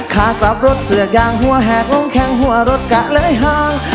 ขากลับรถเสือกยางหัวแหกลงแข่งหัวรถกะเลยห่าง